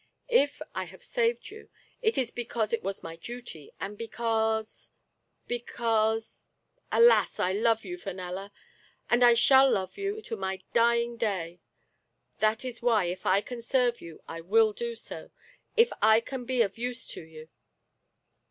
" If I have saved you, it is because it was my duty, and because — because — alas, I love you, Fenella ! and I shall love you to my dying day ! That is why, if I can serve you, I will do so, if I can be of use to you.